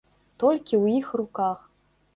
Толькі ў іх руках.